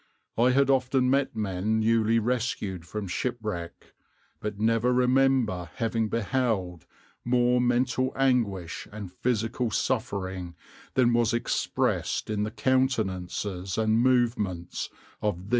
I had often met men newly rescued from shipwreck, but never remember having beheld more mental anguish and physical suffering than was expressed in the countenances and movements of these eleven sailors."